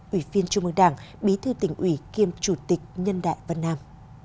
ủy viên trung ương đảng bí thư tỉnh ủy kiêm chủ tịch nhân đại vân nam